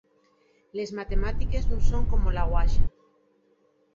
Les matemátiques nun son como la Guaxa.